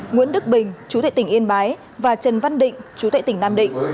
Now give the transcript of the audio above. nguyễn đức bình chú tệ tỉnh yên bái và trần văn định chú thệ tỉnh nam định